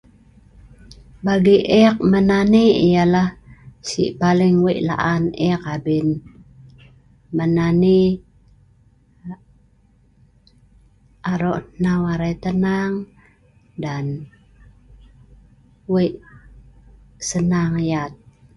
Bagi ek menani ialah sii paling wik laan ek abin, menani, arok hnau arai tenang dan wik senang yat